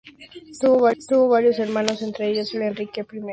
Tuvo varios hermanos, entre ellos, el Enrique I de Castilla y la reina Berenguela.